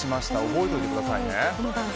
覚えておいてください。